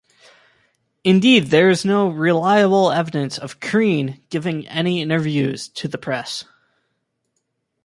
Indeed, there is no reliable evidence of Crean giving any interviews to the press.